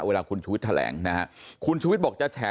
เวลาคุณชุวิตแถลงนะฮะคุณชุวิตบอกจะแฉ